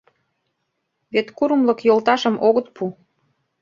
Вет курымлык йолташым огыт пу!..